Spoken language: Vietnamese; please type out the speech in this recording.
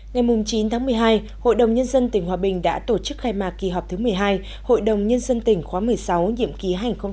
ngày chín tháng một mươi hai hội đồng nhân dân tỉnh hòa bình đã tổ chức khai mạc kỳ họp thứ một mươi hai hội đồng nhân dân tỉnh khóa một mươi sáu nhiệm kỳ hai nghìn một mươi sáu hai nghìn hai mươi một